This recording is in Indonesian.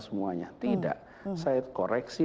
semuanya tidak saya koreksi